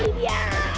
biar sekali dia